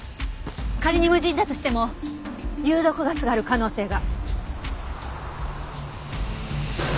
仮に無人だとしても有毒ガスがある可能性が。